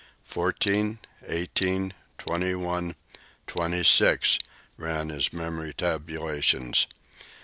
"Fourteen, eighteen, twenty one, twenty six," ran his memory tabulations.